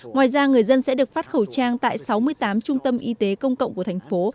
ngoài ra người dân sẽ được phát khẩu trang tại sáu mươi tám trung tâm y tế công cộng của thành phố